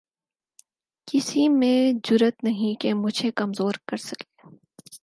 کسی میں جرات نہیں کہ مجھے کمزور کر سکے